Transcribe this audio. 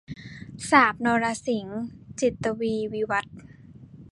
สาบนรสิงห์ - จินตวีร์ วิวัธน์